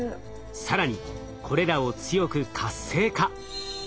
更にこれらを強く活性化。